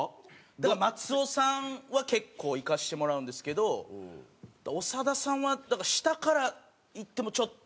だから松尾さんは結構行かせてもらうんですけど長田さんは下からいってもちょっと近寄りがたいというか。